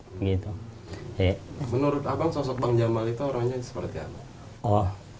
menurut abang sosok bang jamal itu orangnya seperti apa